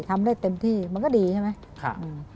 ทำได้เต็มที่มันก็ดีใช่ไหม